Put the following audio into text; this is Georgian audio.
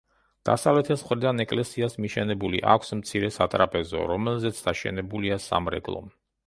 დასავლეთის მხრიდან ეკლესიას მიშენებული აქვს მცირე სატრაპეზო, რომელზეც დაშენებულია სამრეკლო.